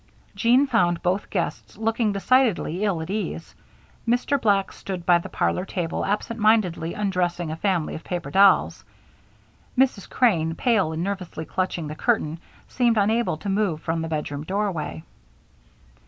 Jean found both guests looking decidedly ill at ease. Mr. Black stood by the parlor table absent mindedly undressing a family of paper dolls. Mrs. Crane, pale and nervously clutching the curtain, seemed unable to move from the bedroom doorway.